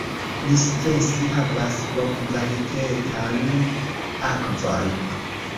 Iisvesi havas bonkvalitetan akvon.